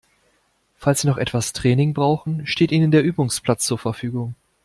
Falls Sie noch etwas Training brauchen, steht Ihnen der Übungsplatz zur Verfügung.